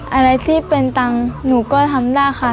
อะไรที่เป็นตังค์หนูก็ทำได้ค่ะ